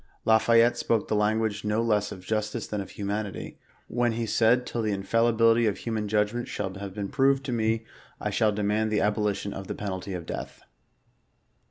La Fayette spoke the language no less of justice than of humanity, when he said, " Till the infallibility of human judgments shall have been proved to me, I shall demand the abolition of the penalty of death."